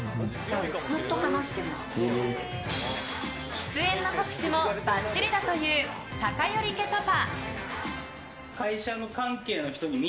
出演の告知もばっちりだという酒寄家パパ。